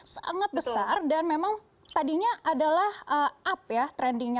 sangat besar dan memang tadinya adalah up ya trendingnya